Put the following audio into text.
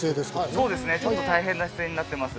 そうですねちょっと大変な姿勢になってます。